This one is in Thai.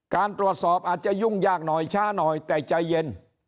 การตรวจสอบอาจจะยุ่งยากหน่อยช้าหน่อยแต่ใจเย็น